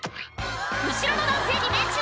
後ろの男性に命中！